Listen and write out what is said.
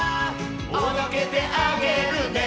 「おどけてあげるね」